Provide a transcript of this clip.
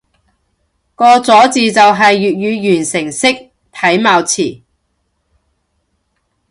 個咗字就係粵語完成式體貌詞